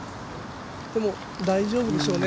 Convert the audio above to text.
でも大丈夫でしょうね